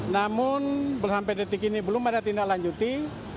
namun sampai detik ini belum ada tindak lanjuti